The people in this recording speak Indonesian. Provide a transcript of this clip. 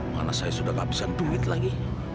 mana saya sudah kehabisan duit lagi